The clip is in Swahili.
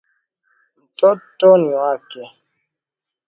Mtoto ni wake.